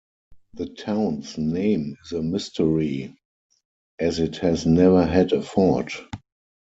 The town's name is a mystery, as it has never had a fort.